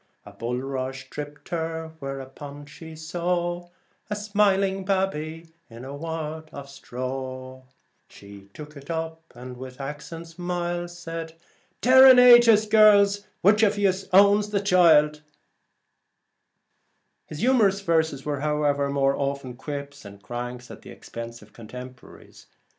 A bulrush tripped her, whereupon she saw A smiling babby in a wad o' straw. 83 The She tuk it up, and said with accents mild, Celtic "Tare and agers, girls, which av yez owns the Twill S ht ' child?' His humorous rhymes were, however, more often quips and cranks at the expense of his contemporaries.